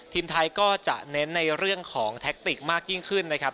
ทีมไทยก็จะเน้นในเรื่องของแท็กติกมากยิ่งขึ้นนะครับ